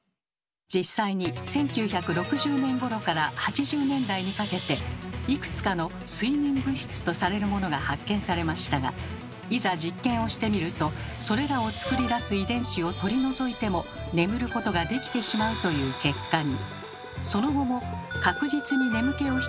実際に１９６０年ごろから８０年代にかけていくつかの睡眠物質とされるものが発見されましたがいざ実験をしてみるとそれらをつくり出す遺伝子を取り除いても眠ることができてしまうという結果に。